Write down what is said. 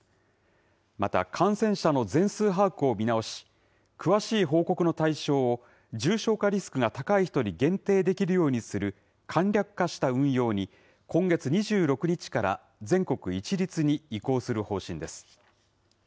また感染者の全数把握を見直し、詳しい報告の対象を、重症化リスクが高い人に限定できるようにする簡略化した運用に、今月２６日から全国一律に移行する方針です。